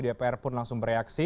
dpr pun langsung bereaksi